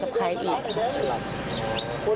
เขาลมไปอ่ะแม่ลงลงลงไป